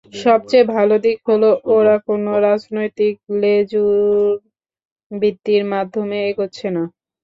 সবচেয়ে ভালো দিক হলো, ওরা কোনো রাজনৈতিক লেজুড়বৃত্তির মাধ্যমে এগোচ্ছে না।